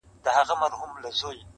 د هغه مغفور روح ته دعا کوم -